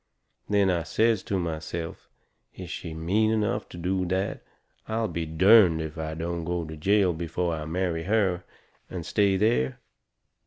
Then I says to myself is she is mean enough to do that I'll be derned if I don't go to jail before I marry her, and stay there.